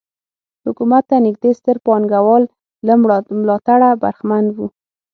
حکومت ته نږدې ستر پانګوال له ملاتړه برخمن وو.